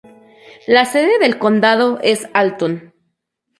La sede del condado es Alton.